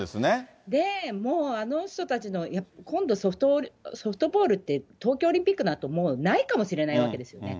で、もうあの人たちのやっぱり、今度ソフトボールって、東京オリンピックのあと、もうないかもしれないわけですよね。